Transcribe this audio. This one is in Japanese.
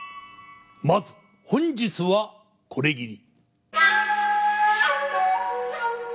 まず本日はこれぎり。